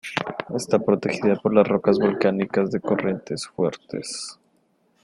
Está protegida por las rocas volcánicas de corrientes fuertes.